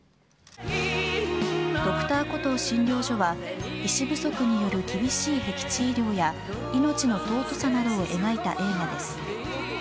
「Ｄｒ．コトー診療所」は医師不足による厳しいへき地医療や命の尊さなどを描いた映画です。